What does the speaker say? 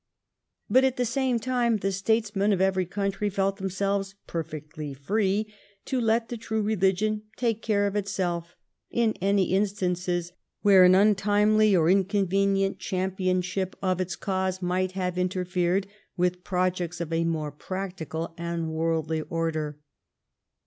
But, at the same time, the statesmen of each country felt themselves perfectly free to let the true religion take care of itself in any instances where an untimely or inconvenient championship of its cause might have interfered with projects of a more practical and worldly order.